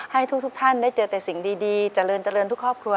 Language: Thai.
ให้ทุกท่านได้เจอแต่สิ่งดีเจริญเจริญทุกครอบครัว